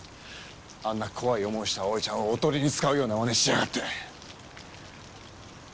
あんな怖い思いをした葵ちゃんをおとりに使うようなまねしやがって。